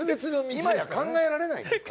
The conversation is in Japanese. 今や考えられないですか？